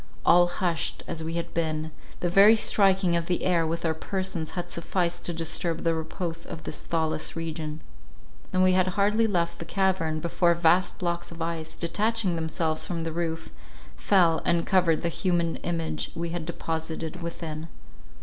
All hushed as we had been, the very striking of the air with our persons had sufficed to disturb the repose of this thawless region; and we had hardly left the cavern, before vast blocks of ice, detaching themselves from the roof, fell, and covered the human image we had deposited within.